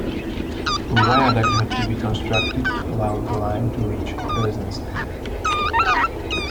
A viaduct had to be constructed to allow the line to reach Curzon Street.